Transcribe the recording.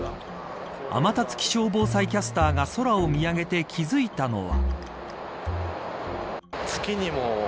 天達気象防災キャスターが空を見上げて気付いたのは。